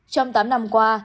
trong tám năm qua